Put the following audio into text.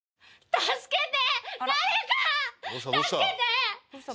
助けて！